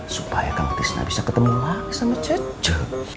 supaya kang tisna bisa ketemu lagi sama cecek